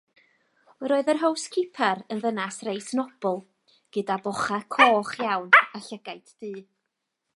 Roedd yr howscipar yn wraig reit nobl, gyda bochau coch iawn a llygaid du.